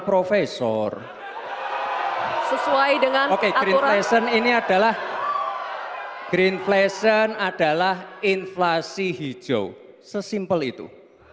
profesor sesuai dengan oke krisen ini adalah greenflation adalah inflasi hijau sesimpel itu